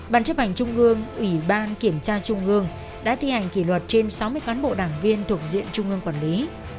bàn chấp hành trung ương ủy ban kiểm tra trung ương đã thi hành kỷ luật trên sáu mươi cán bộ đảng viên thuộc diện trung ương quản lý